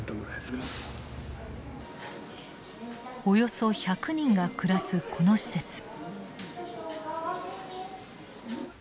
およそ１００人が暮らすこの施設。